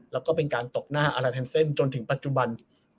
แล้วก็เป็นการตกหน้าแฮนเซ็นซ์จนถึงปัจจุบัน